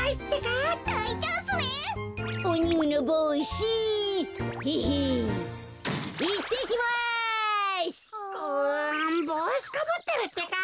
ぼうしかぶってるってか。